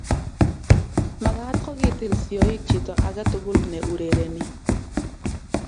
mekat ko kitil sioik chito age tugul ne urereni